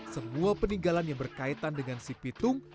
semua peninggalan yang berkaitan dengan si pitung